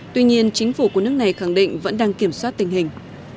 tuy nhiên chính phủ của nước này khẳng định vẫn đang kiểm soát tình hình